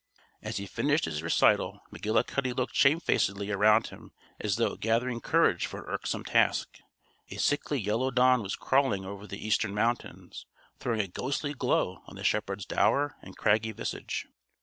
As he finished his recital McGillicuddy looked shamefacedly around him as though gathering courage for an irksome task. A sickly yellow dawn was crawling over the eastern mountains, throwing a ghostly glow on the shepherd's dour and craggy visage.